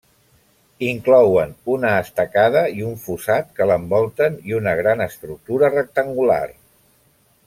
Inclouen una estacada i un fossat que l'envolten i una gran estructura rectangular.